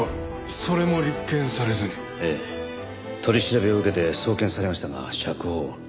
取り調べを受けて送検されましたが釈放。